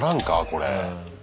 これ。